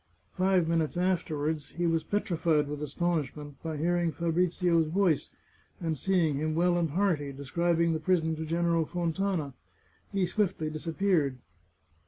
Five minutes afterwards, he was petrified with astonish ment by hearing Fabrizio's voice, and seeing him well and hearty, describing the prison to General Fontana. He swiftly disappeared.